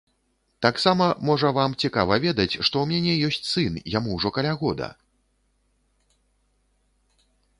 Таксама, можа, вам цікава ведаць, што ў мяне ёсць сын, яму ўжо каля года.